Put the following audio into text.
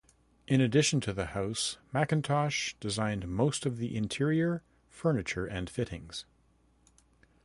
In addition to the house, Mackintosh designed most of the interior, furniture and fittings.